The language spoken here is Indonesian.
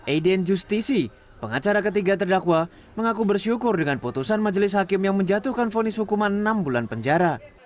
aiden justisi pengacara ketiga terdakwa mengaku bersyukur dengan putusan majelis hakim yang menjatuhkan fonis hukuman enam bulan penjara